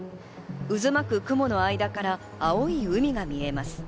渦巻く雲の間から青い海が見えます。